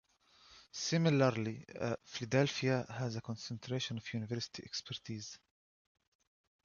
Similarly, Philadelphia has a concentration of university expertise.